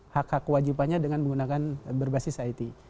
hak hak wajibannya dengan menggunakan berbasis saiti